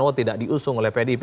oh tidak diusung oleh pdip